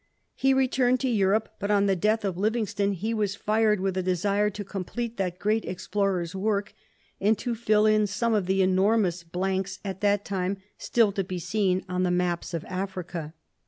He returned to Europe, but on the death of Livingstone he was fired with a desire to complete that great explorer's work, and to fill in some of the enormous blanks at that time still to be seen on the maps of Africa.